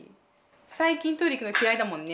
最近トイレ行くの嫌いだもんね。